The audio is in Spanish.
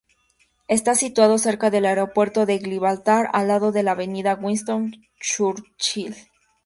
Está situado cerca del aeropuerto de Gibraltar al lado de la avenida Winston Churchill.